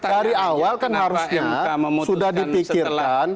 dari awal kan harusnya sudah dipikirkan